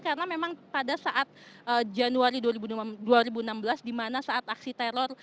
karena memang pada saat januari dua ribu enam belas di mana saat aksi teror